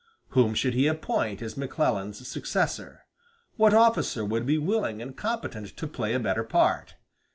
Whom should he appoint as McClellan's successor? What officer would be willing and competent to play a better part?